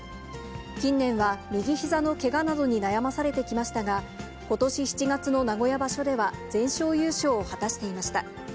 近年は、右ひざのけがなどに悩まされてきましたが、ことし７月の名古屋場所では、全勝優勝を果たしていました。